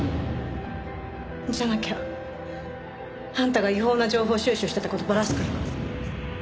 じゃなきゃあんたが違法な情報収集してた事バラすから。